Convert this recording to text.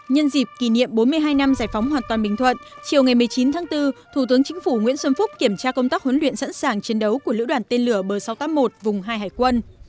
nhân dịp kỷ niệm bốn mươi hai năm giải phóng hoàn toàn bình thuận chiều ngày một mươi chín tháng bốn thủ tướng chính phủ nguyễn xuân phúc kiểm tra công tác huấn luyện sẵn sàng chiến đấu của lữ đoàn tên lửa b sáu trăm tám mươi một vùng hai hải quân